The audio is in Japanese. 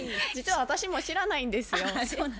実は私も知らないんですよ。